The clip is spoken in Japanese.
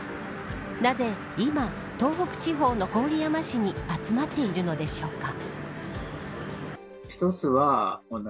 なぜ今、東北地方の郡山市に集まっているのでしょうか。